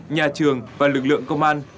nhà trường và lực lượng công an